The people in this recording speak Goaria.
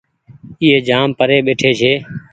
ايئي جآم پري ٻيٽي ڇي